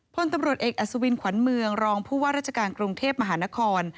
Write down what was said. พลตำรวจเอกอัศวินขวัญเมืองรองผู้ว่าราชการกรุงเทพมหานคร